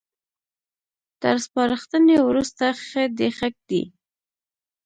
تر سپارښتنې وروسته ښه ديښه دي